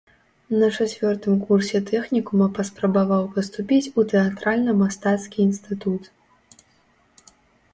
На чацвёртым курсе тэхнікума паспрабаваў паступіць у тэатральна-мастацкі інстытут.